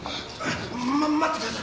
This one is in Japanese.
ま待ってください。